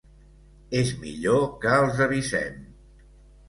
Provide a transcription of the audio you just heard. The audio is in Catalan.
És millor que els avisem.